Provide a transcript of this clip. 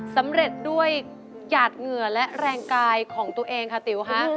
สำเร็จด้วยหยาดเหงื่อและแรงกายของตัวเองค่ะติ๋วค่ะ